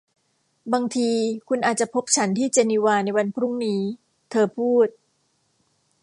บางทีคุณอาจจะพบฉันที่เจนีวาในวันพรุ่งนี้เธอพูด